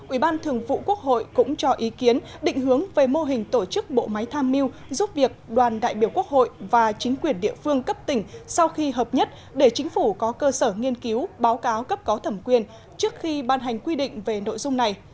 ủy ban thường vụ quốc hội cũng cho ý kiến định hướng về mô hình tổ chức bộ máy tham mưu giúp việc đoàn đại biểu quốc hội và chính quyền địa phương cấp tỉnh sau khi hợp nhất để chính phủ có cơ sở nghiên cứu báo cáo cấp có thẩm quyền trước khi ban hành quy định về nội dung này